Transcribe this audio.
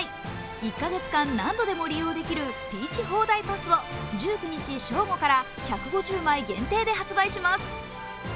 １カ月間、何度でも利用できるＰｅａｃｈホーダイパスを１９日正午から１５０枚限定で販売します。